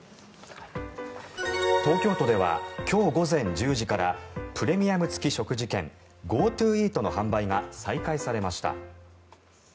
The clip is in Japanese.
東京都では今日午前１０時からプレミアム付き食事券ＧｏＴｏイートの販売が再開されました。